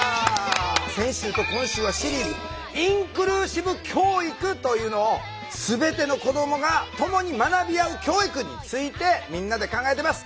先週と今週はシリーズ「インクルーシブ教育」というのをすべての子どもがともに学び合う教育についてみんなで考えてます。